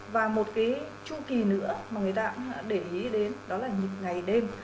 và một cái chu kỳ nữa mà người ta đã để ý đến đó là nhịp ngày đêm